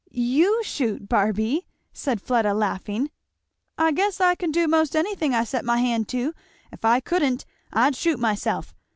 "You shoot, Barby!" said Fleda laughing. "I guess I can do most anything I set my hand to. If I couldn't I'd shoot myself.